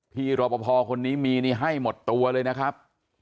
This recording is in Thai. พี่รอปภคนนี้มีนี่ให้หมดตัวเลยนะครับ